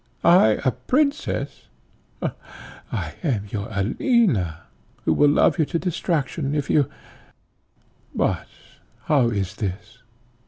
I a princess? I am your Alina, who will love you to distraction, if you, but how is this?